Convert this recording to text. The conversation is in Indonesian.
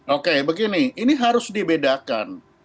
oke begini ini harus dibedakan